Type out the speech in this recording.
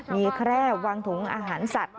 มีแคร่วางถุงอาหารสัตว์